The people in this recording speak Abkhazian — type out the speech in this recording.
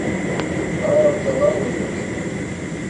Аамҭа ҳамоу џьумшьан.